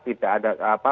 tidak ada apa